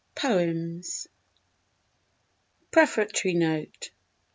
XXV Poems Prefatory Note i.